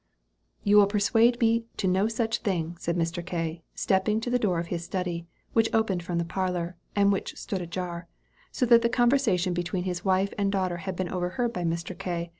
"You will persuade me to no such thing," said Mr. K., stepping to the door of his study, which opened from the parlor, and which stood ajar, so that the conversation between his wife and daughter had been overheard by Mr. K.